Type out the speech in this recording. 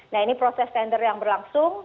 nah ini proses tender yang berlangsung